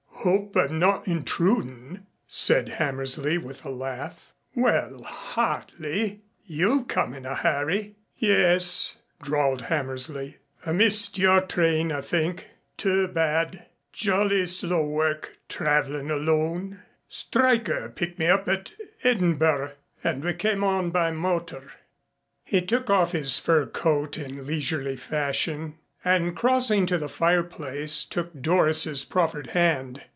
"Hope I'm not intrudin'," said Hammersley, with a laugh. "Well, hardly. You've come in a hurry." "Yes," drawled Hammersley. "I missed your train, I think. Too bad. Jolly slow work travelin' alone. Stryker picked me up at Edinburgh and we came on by motor." He took off his fur coat in leisurely fashion and crossing to the fireplace took Doris's proffered hand.